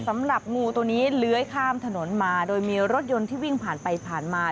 สำหรับงูตัวนี้เลื้อยข้ามถนนมาโดยมีรถยนต์ที่วิ่งผ่านไปผ่านมา